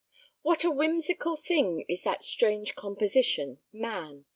What a whimsical thing is that strange composition man.